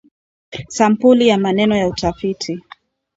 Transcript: Sampuli ya maeneo ya utafiti